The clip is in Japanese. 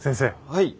はい。